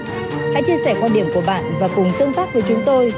chúng hãy chia sẻ quan điểm của bạn và cùng tương tác với chúng tôi